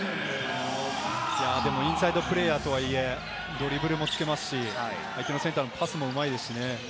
インサイドプレーヤーとはいえ、ドリブルもつけますし、相手のセンターのパスもうまいですね。